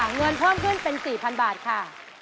เงินเพิ่มขึ้นเป็น๔๐๐๐บาทค่ะ